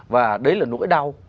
và đấy là nỗi đau